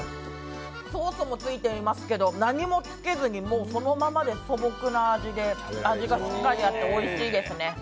ソースもついていますけど何もつけずにそのままで素朴な味で味がしっかりあって、おいしいですね。